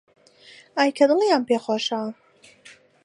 ئای کە دڵیان پێی خۆشە